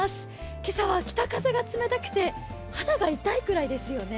今朝は北風が冷たくて、肌が痛いくらいですよね。